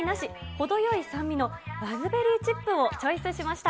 程よい酸味のラズベリーチップをチョイスしました。